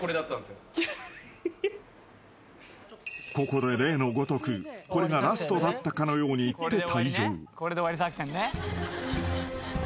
［ここで例のごとくこれがラストだったかのように言って退場］